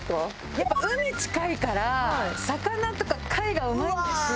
やっぱ海近いから魚とか貝がうまいんですよ